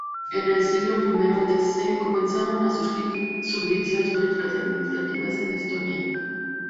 En el siglo I dC comenzaron a surgir subdivisiones políticas y administrativas en Estonia.